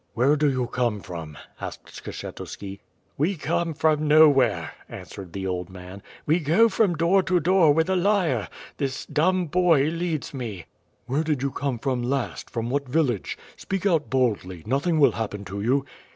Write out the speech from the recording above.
"Where did you come from?'^ asked Skshetuski. "We come from nowhere," answered the old man. "Wc go from door to door with a lyre. This dumb boy leads me." "Where did you come from last, from what village? Speak out boldly, nothing will happen to you."